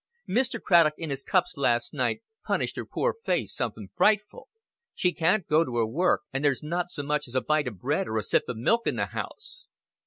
Mr. Craddock in his cups last night punished her pore face somethin' frightful. She can't go to her work, and there's not so much as a bite of bread or a sip of milk in the house."